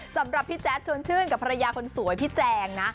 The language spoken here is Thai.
สำหรับพี่แจ๊ดชวนชื่นกับภรรยาคนสวยพี่แจงนะ